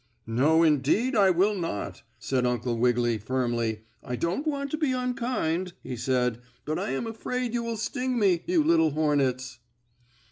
"No indeed, I will not!" said Uncle Wiggily firmly. "I don't want to be unkind," he said, "but I am afraid you will sting me, you little hornets!"